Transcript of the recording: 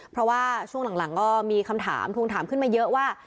เพราะว่าช่วงหลังก็มีคำถามทวงถามขึ้นมาเยอะว่า